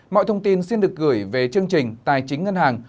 mọi thông tin xin được gửi về chương trình tài chính ngân hàng